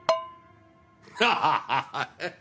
ハハハハ！